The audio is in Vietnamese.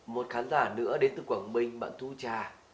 một khán giả nữa đến từ quảng bình bạn thu trà